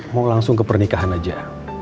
mau langsung ke pernikahan aja